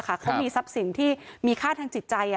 เขามีทรัพย์สินที่มีค่าทางจิตใจ